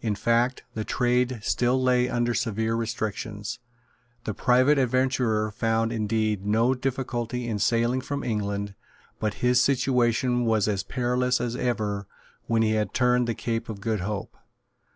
In fact, the trade still lay under severe restrictions. The private adventurer found indeed no difficulty in sailing from England; but his situation was as perilous as ever when he had turned the Cape of Good Hope.